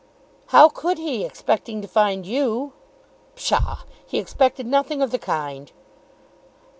"How could he, expecting to find you?" "Psha! He expected nothing of the kind."